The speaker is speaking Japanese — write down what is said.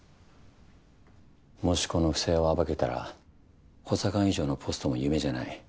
もしこの不正を暴けたら補佐官以上のポストも夢じゃない。